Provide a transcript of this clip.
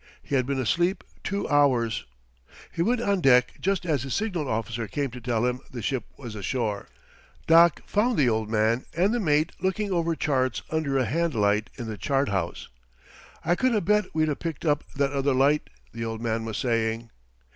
He had been asleep two hours. He went on deck just as his signal officer came to tell him the ship was ashore. Doc found the old man and the mate looking over charts under a hand light in the chart house. "I could 'a' bet we'd 'a' picked up that other light," the old man was saying.